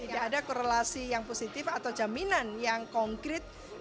tidak ada korelasi yang positif atau jaminan yang konkret